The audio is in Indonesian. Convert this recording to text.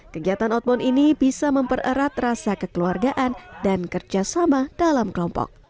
kegiatan outbound ini bisa mempererat rasa kekeluargaan dan kerjasama dalam kelompok